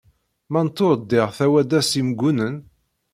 Mantur diɣ tawada s Imgunen?